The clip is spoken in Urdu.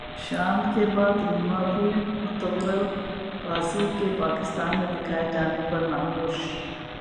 شان کے بعد ریما بھی ارطغرل غازی کے پاکستان میں دکھائے جانے پر ناخوش